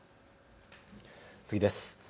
次です。